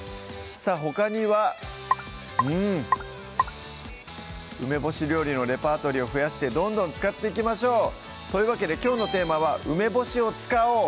さぁほかにはうん梅干し料理のレパートリーを増やしてどんどん使っていきましょうというわけできょうのテーマは「梅干しを使おう！」